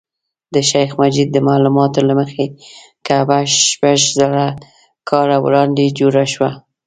د شیخ مجید د معلوماتو له مخې کعبه شپږ زره کاله وړاندې جوړه شوه.